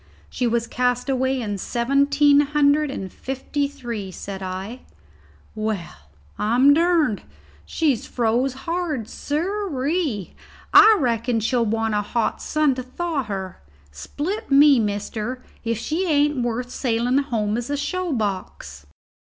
"She was cast away in seventeen hundred and fifty three," said I. "Well, I'm durned. She's froze hard, sirree; I reckon she'll want a hot sun to thaw her. Split me, mister, if she ain't worth sailing home as a show box."